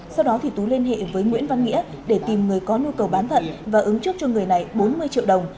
sau đó tú liên hệ với nguyễn văn nghĩa để tìm người có nhu cầu bán thận và ứng trước cho người này bốn mươi triệu đồng